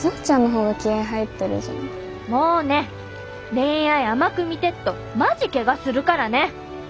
恋愛甘く見てっとマジけがするからね！